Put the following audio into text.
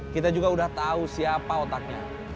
kita juga udah tahu siapa otaknya